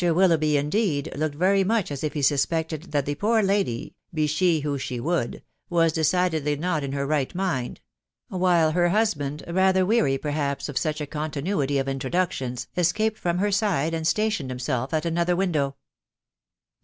Willoughby, indeed, looked very much as if he suspected that the poor lady, be she who she would, was decidedly not in her right mind ; while her husband, rather weary, perhaps, of such a Continuity of introductions, escaped from her side, and stationed himself at another window.